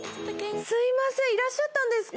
すいませんいらっしゃったんですか？